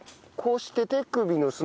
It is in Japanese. こうして手首の。